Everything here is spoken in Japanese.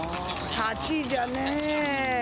８位じゃねぇ。